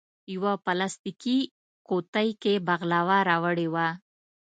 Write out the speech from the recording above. یوه پلاستیکي قوتۍ کې بغلاوه راوړې وه.